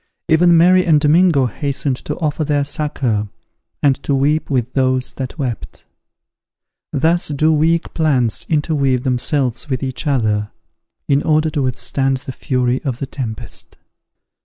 Even Mary and Domingo hastened to offer their succour, and to weep with those that wept. Thus do weak plants interweave themselves with each other, in order to withstand the fury of the tempest.